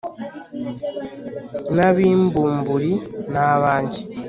n'ab'imbumburi ni abanjye.